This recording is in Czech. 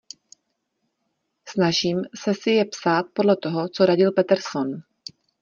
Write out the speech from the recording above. Snažím se si je psát podle toho, co radil Peterson.